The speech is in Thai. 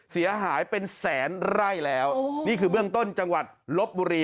เสียหายเป็นแสนไร่แล้วนี่คือเบื้องต้นจังหวัดลบบุรี